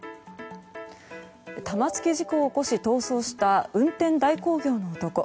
玉突き事故を起こし逃走した運転代行業の男。